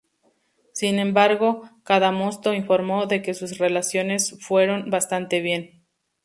Sin embargo, Cadamosto informó de que sus relaciones fueron bastante bien.